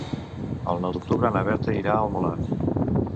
El nou d'octubre na Berta irà al Molar.